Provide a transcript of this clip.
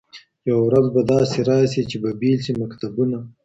یوه ورځ به داسي راسي چي به پیل سي مکتبونه